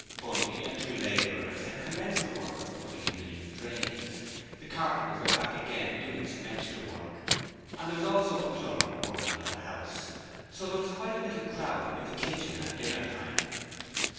Bundy and two labourers had commenced the work of putting in the new drains; the carpenters were back again doing some extra work, and there was also a plumber working on the house; so there was quite a little crowd in the kitchen at dinner time.